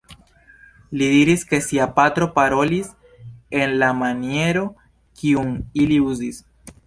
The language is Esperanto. Li diris ke sia patro parolis en la maniero kiun ili uzis.